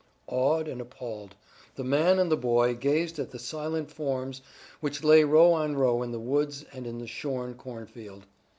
Awed and appalled, the man and the boy gazed at the silent forms which lay row on row in the woods and in the shorn cornfield.